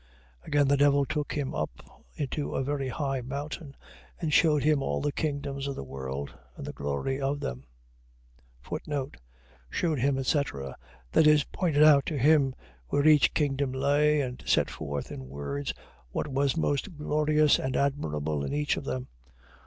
4:8. Again the devil took him up into a very high mountain, and shewed him all the kingdoms of the world, and the glory of them, Shewed him, etc. . .That is, pointed out to him where each kingdom lay; and set forth in words what was most glorious and admirable in each of them.